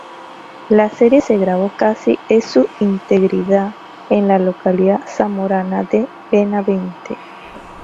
La serie se grabó casi es su integridad en la localidad zamorana de Benavente.